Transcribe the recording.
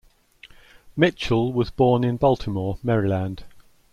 Mitchell was born in Baltimore, Maryland.